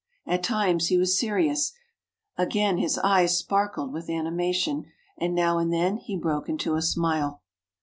At times he was serious, again his eyes sparkled with animation, and now and then he broke into a smile.